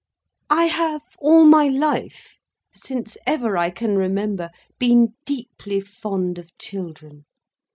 I have all my life, since ever I can remember, been deeply fond of children.